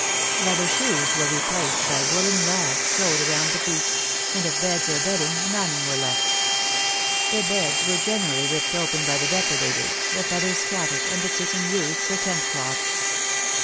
Leather shoes were replaced by woollen rags sewed round the feet; and of beds or bedding none were left. The beds were generally ripped open by the depredators, the feathers scattered, and the ticking used for tent cloths.